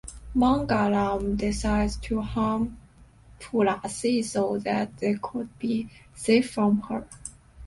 Mangalam decides to harm Thulasi so that they could be safe from her.